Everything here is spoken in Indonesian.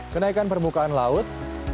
kenaikan permukaan laut